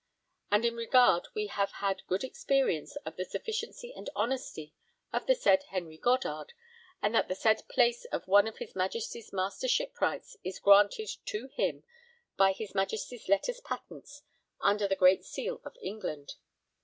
And in regard we have had good experience of the sufficiency and honesty of the said Henry Goddard and that the said place of one of his Majesty's Master Shipwrights is granted to him by his Majesty's letters patents under the great seal of England.